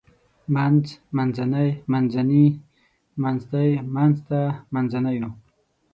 منځ منځنۍ منځني منځتی منځته منځنيو